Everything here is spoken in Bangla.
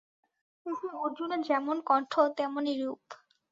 আহা, অর্জুনের যেমন কন্ঠ তেমনি রূপ।